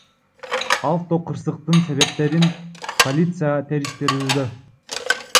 Автокырсыктын себептерин полиция териштирүүдө.